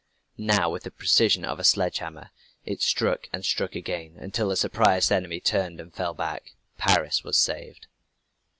Now with the precision of a sledge hammer it struck, and struck again until the surprised enemy turned and fell back. Paris was saved.